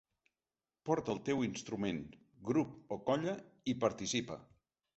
Porta el teu instrument , grup o colla i participa!